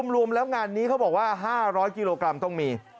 รวมแล้วงานนี้เขาบอกว่า๕๐๐กิโลกรัมต้องมี